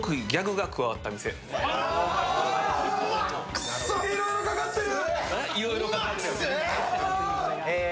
くっそいろいろかかってる。